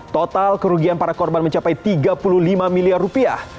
total kerugian para korban mencapai tiga puluh lima miliar rupiah